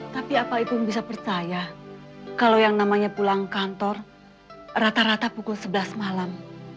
tapi apa ibu bisa percaya kalau yang namanya pulang kantor rata rata pukul sebelas malam